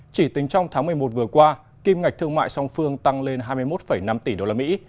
chỉ tính trong tháng một mươi một vừa qua kim ngạch thương mại song phương tăng lên hai mươi một năm tỷ đô la mỹ